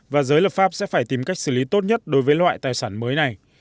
và giới lập pháp sẽ phải tìm cách xử lý tốt nhất đối với loại tài sản mới này